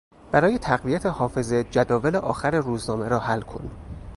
برای تقویت حافظه جداول آخر روزنامه را حل کن.